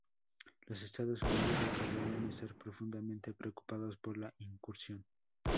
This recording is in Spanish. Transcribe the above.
Los Estados Unidos declararon estar "profundamente preocupados" por la incursión.